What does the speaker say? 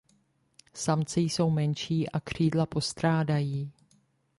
Samci jsou menší a křídla postrádají.